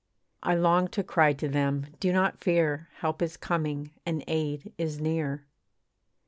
I long to cry to them 'Do not fear, Help is coming and aid is near.'